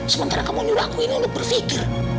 sementara kamu nyuruh aku ini lo berpikir